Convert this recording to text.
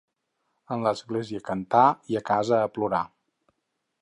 En l'església cantar i a casa a plorar.